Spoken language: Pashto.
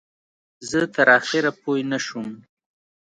زه تر آخره پوی نه شوم.